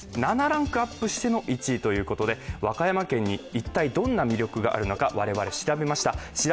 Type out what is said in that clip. ７ランクアップしての１位ということで、和歌山県に一体どんな魅力があるのか我々調べました。